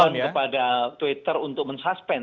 konon kepada twitter untuk men suspend